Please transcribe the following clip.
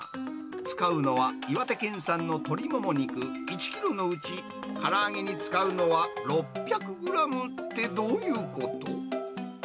使うのは岩手県産の鶏もも肉１キロのうち、から揚げに使うのは６００グラムって、どういうこと？